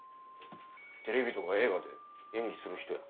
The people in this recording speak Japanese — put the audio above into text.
テレビとか映画で演技する人や。